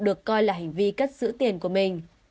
được coi là hành vi cất giữ tiền của mình